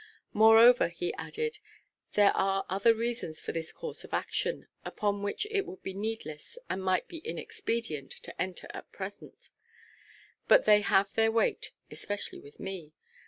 "Moreover," he added, "there are other reasons for this course of action, upon which it would be needless, and might be inexpedient, to enter at present; but they have their weight, especially with me.